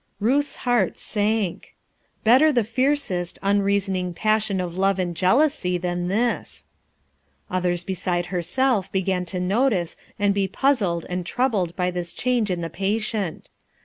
Ruth's heart sank, Better the fiercest ,,„ reasoning passion of love and jealousy than this i Others beside herself began to notice and be puzzled and troubled by this change in the patient.